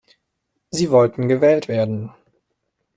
Sie wollten gewählt werden.